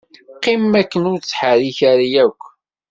Qqim akken ur ttḥerrik ara akk.